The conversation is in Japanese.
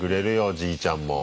おじいちゃんも。